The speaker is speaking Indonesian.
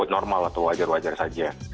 normal atau wajar wajar saja